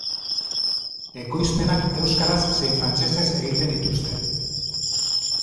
Ekoizpenak euskaraz zein frantsesez egiten dituzte.